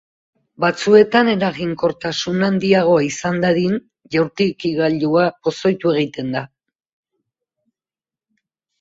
Batzuetan, eraginkortasuna handiagoa izan dadin, jaurtigailua pozoitu egiten da.